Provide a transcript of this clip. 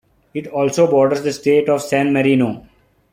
It also borders the state of San Marino.